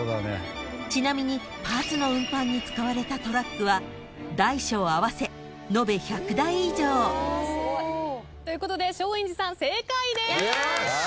［ちなみにパーツの運搬に使われたトラックは大小合わせ延べ１００台以上］ということで松陰寺さん正解です！